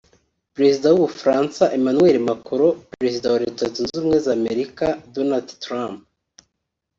Perezida w’u Bufaransa Emmanuel Macron Perezida wa Leta Zunze Ubumwe za Amerika Donald Trump